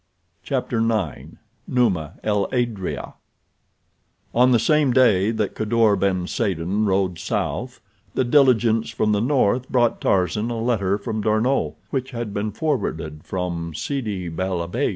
Chapter IX Numa "El Adrea" On the same day that Kadour ben Saden rode south the diligence from the north brought Tarzan a letter from D'Arnot which had been forwarded from Sidi bel Abbes.